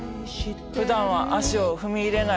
ふだんは足を踏み入れない